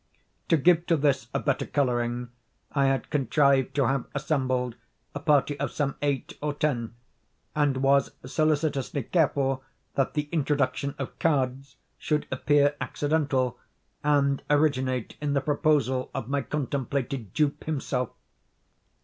To give to this a better coloring, I had contrived to have assembled a party of some eight or ten, and was solicitously careful that the introduction of cards should appear accidental, and originate in the proposal of my contemplated dupe himself.